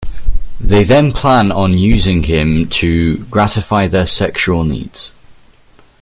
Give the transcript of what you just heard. They then plan on using him to gratify their sexual needs.